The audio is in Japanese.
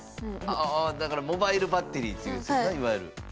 あだからモバイルバッテリーというやつねいわゆる。